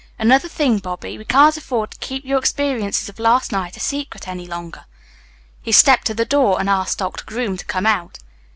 Another thing, Bobby. We can't afford to keep your experiences of last night a secret any longer." He stepped to the door and asked Doctor Groom to come out.